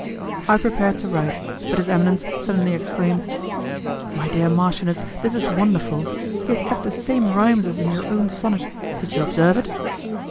I prepared to write, but his eminence suddenly exclaimed, "My dear marchioness, this is wonderful; he has kept the same rhymes as in your own sonnet: did you observe it?"